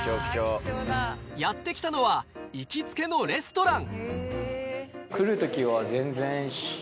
やってきたのは行きつけのレストラン。